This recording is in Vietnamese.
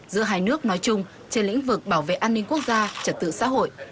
giữa hai nước nói chung trên lĩnh vực bảo vệ an ninh quốc gia trật tự xã hội